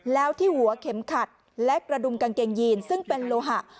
แล้วที่หัวเข็มขัดและกระดุมกางเกงยีนซึ่งเป็นโลหะ